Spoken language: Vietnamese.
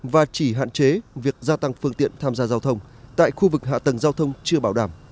và chỉ hạn chế việc gia tăng phương tiện tham gia giao thông tại khu vực hạ tầng giao thông chưa bảo đảm